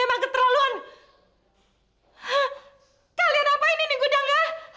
hah kalian apa ini ini gudangnya